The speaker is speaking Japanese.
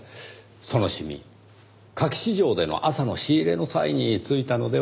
その染み花卉市場での朝の仕入れの際に付いたのではないかと。